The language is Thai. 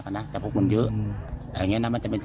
ครับ